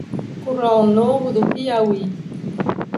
Curral Novo do Piauí